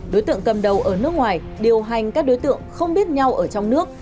đối tượng cầm đầu ở nước ngoài điều hành các đối tượng không biết nhau ở trong nước